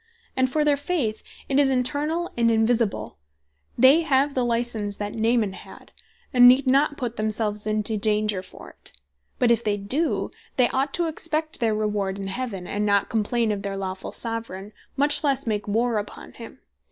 And for their Faith, it is internall, and invisible; They have the licence that Naaman had, and need not put themselves into danger for it. But if they do, they ought to expect their reward in Heaven, and not complain of their Lawfull Soveraign; much lesse make warre upon him.